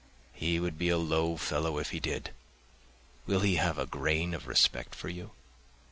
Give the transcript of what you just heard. He would be a low fellow if he did! Will he have a grain of respect for you?